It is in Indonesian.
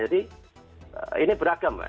jadi ini beragam